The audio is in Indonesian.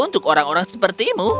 untuk orang orang seperti kamu